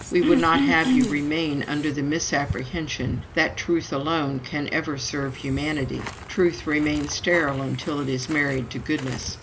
We would not have you remain under the misapprehension that Truth alone can ever serve humanity Truth remains sterile until it is married to Goodness.